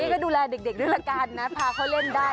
ก็ดูแลเด็กด้วยละกันนะพาเขาเล่นได้